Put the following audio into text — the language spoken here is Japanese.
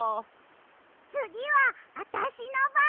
つぎはあたしのばん！